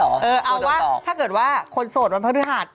เอาว่าถ้าเกิดว่าคนโสดวันพฤหัส